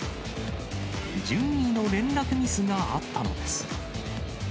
順位の連絡ミスがあったのです。